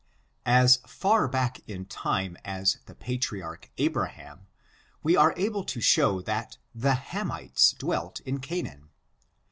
As far back in time as the Patriarch Abraham, wo are able to show that the Hamites dwelt in Canaan.